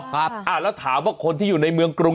ครับแล้วถามว่าคนที่อยู่ในเมืองกรุง